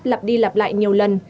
lặp đi lặp lại nhiều lần